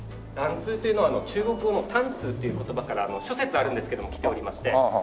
緞通というのは中国語の「毯子」という言葉から諸説あるんですけどもきておりまして。